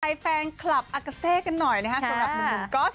ให้แฟนคลับอากาเซ่กันหน่อยนะครับ